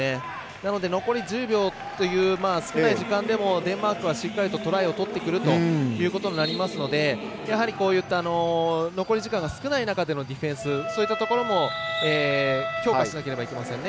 なので残り１０秒という少ない時間でもデンマークはしっかりとトライを取ってくるということになりますのでやはりこういった残り時間が少ない中でのディフェンスそういったところも強化しなければなりませんね。